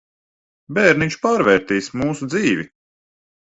Bērniņš pārvērtīs mūsu dzīvi.